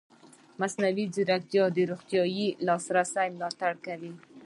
مصنوعي ځیرکتیا د روغتیايي لاسرسي ملاتړ کوي.